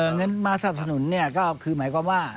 เงินมาสนับสนุนก็คือหมายความว่า